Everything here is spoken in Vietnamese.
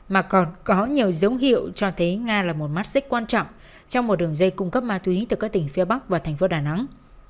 mà còn có nhiều dấu hiệu cho thấy nga là một mắt xích quan trọng trong một đường dây cung cấp ma túy từ các tỉnh phía bắc và thành phố đà nẵng